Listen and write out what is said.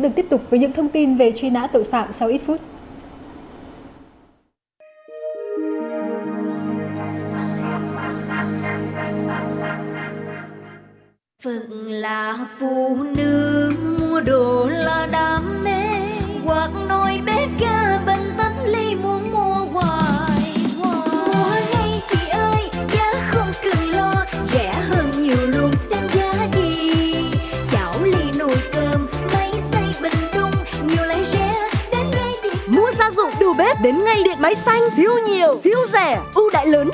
cảm ơn chị viu anh với những thông tin cập nhật vừa rồi